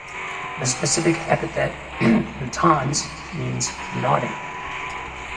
The specific epithet ("nutans") means "nodding".